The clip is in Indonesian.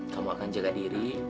kamu akan jaga diri